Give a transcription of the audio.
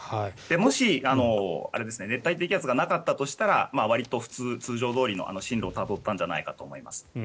もし、熱帯低気圧がなかったとしたらわりと通常どおりの進路をたどったんじゃないかと思います。